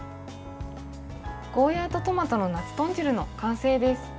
ゴーヤーとトマトの夏豚汁の完成です。